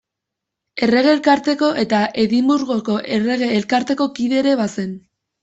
Errege Elkarteko eta Edinburgoko Errege Elkarteko kide ere bazen.